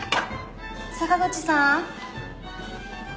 坂口さん。